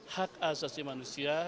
hak asasi manusia